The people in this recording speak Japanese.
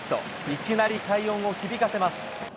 いきなり快音を響かせます。